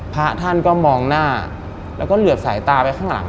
พระท่านก็มองหน้าแล้วก็เหลือบสายตาไปข้างหลัง